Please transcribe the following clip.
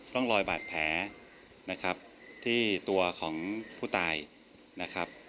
ร่องรอยบาดแผลนะครับที่ตัวของผู้ตายนะครับ